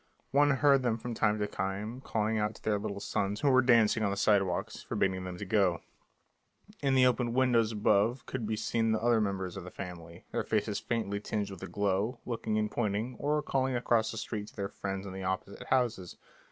One heard them from time to time calling to their little sons, who were dancing on the sidewalks, forbidding them to go; in the open windows above could be seen the other members of the family, their faces faintly tinged with the glow, looking and pointing, or calling across the street to their friends in the opposite houses.